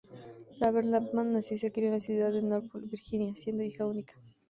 Raver-Lampman nació y se crio en la ciudad de Norfolk, Virginia, siendo hija única.